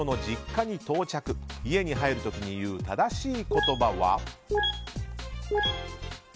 家に入る時に言う正しい言葉は？